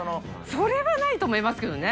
それはないと思いますけどね。